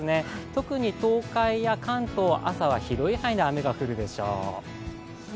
特に東海や関東、朝は広い範囲で雨が降るでしょう。